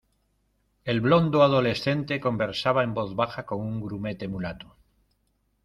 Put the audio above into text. el blondo adolescente conversaba en voz baja con un grumete mulato.